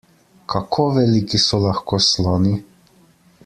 Kako veliki so lahko sloni?